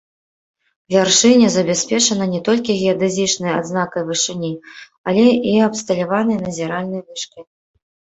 Вяршыня забяспечана не толькі геадэзічнай адзнакай вышыні, але і абсталяванай назіральнай вышкай.